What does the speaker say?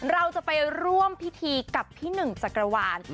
เราจะไปร่วมพิธีกับพี่หนึ่งจักรวาล